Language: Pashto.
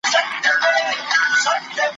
زه له سهاره د کتابتون کتابونه لوستل کوم؟